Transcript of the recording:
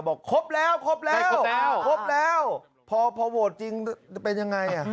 บอกครบแล้วครบแล้วครบแล้วครบแล้วพอพอโหจริงเป็นยังไงอ่ะ